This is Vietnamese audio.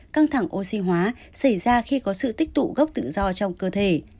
căng thẳng oxy hóa xảy ra khi có sự tích tụ gốc tự do trong cơ thể